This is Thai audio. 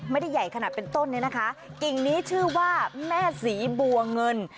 ไม่ได้ใหญ่ขนาดเป็นต้นเนี่ยนะคะกิ่งนี้ชื่อว่าแม่ศรีบัวเงิน